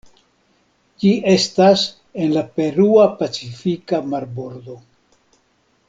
Ĝi estas en la Perua Pacifika marbordo.